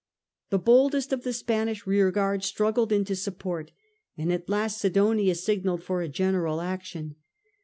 The boldest of the Spanish rearguard struggled. in to support, and at last Sidonia signalled for a general action.